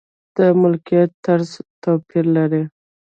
د ملکیت طرز توپیر لري.